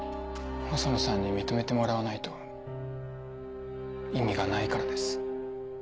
細野さんに認めてもらわないと意味がないからです。